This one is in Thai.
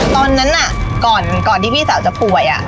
ตอนนั้นน่ะก่อนก่อนที่พี่สาวจะป่วยอ่ะ